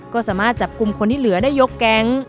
ก็สามารถจับกลุ่มคนที่เหลือได้ยกแก๊ง